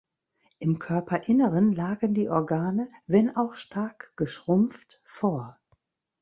Im Körperinneren lagen die Organe, wenn auch stark geschrumpft, vor.